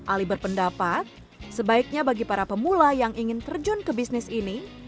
ali berpendapat sebaiknya bagi para pemula yang ingin terjun ke bisnis ini